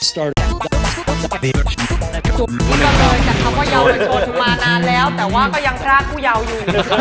ที่กระเบิดจากคำว่าเยาว์มหาชนมานานแล้วแต่ว่าก็ยังพลาดผู้เยาว์อยู่